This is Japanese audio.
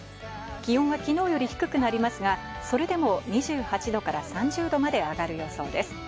気温はきのうより低くなりますが、それでも２８度から３０度まで上がる予想です。